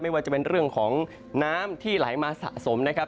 ว่าจะเป็นเรื่องของน้ำที่ไหลมาสะสมนะครับ